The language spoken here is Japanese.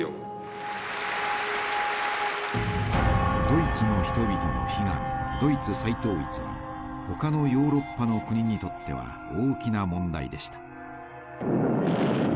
ドイツの人々の悲願ドイツ再統一は他のヨーロッパの国にとっては大きな問題でした。